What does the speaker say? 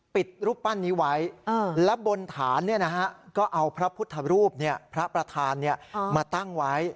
ปิดรูปปั้นนี้ไว้และบนฐานก็เอาพระพุทธรูปพระประธานมาตั้งไว้